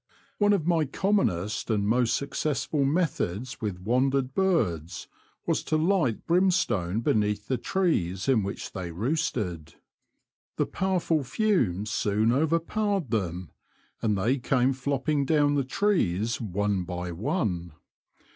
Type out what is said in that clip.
One of my commonest and most successful methods with wandered birds was to light brimstone beneath the trees in which they roosted. The powerful fumes soon overpowered them, and they came flopping down the trees one by one.